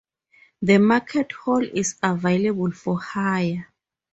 The market hall is available for hire.